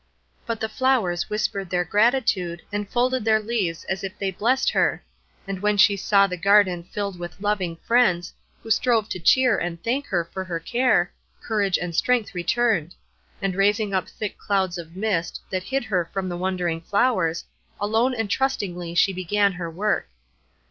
But the flowers whispered their gratitude, and folded their leaves as if they blessed her; and when she saw the garden filled with loving friends, who strove to cheer and thank her for her care, courage and strength returned; and raising up thick clouds of mist, that hid her from the wondering flowers, alone and trustingly she began her work.